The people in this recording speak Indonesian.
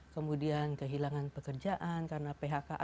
kemudian kehilangan pekerjaan karena phk